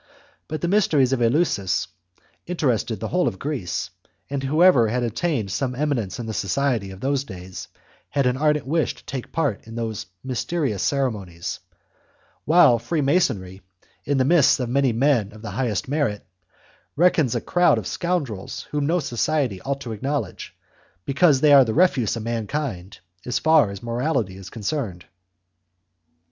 But the mysteries of Eleusis interested the whole of Greece, and whoever had attained some eminence in the society of those days had an ardent wish to take a part in those mysterious ceremonies, while Freemasonry, in the midst of many men of the highest merit, reckons a crowd of scoundrels whom no society ought to acknowledge, because they are the refuse of mankind as far as morality is concerned.